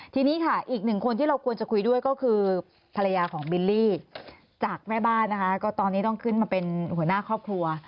ทีนี้ค่ะอีกหนึ่งคนที่เราควรจะคุยด้วยก็คือภรรยาของบิลลี่จากแม่บ้านนะคะก็ตอนนี้ต้องขึ้นมาเป็นหัวหน้าครอบครัว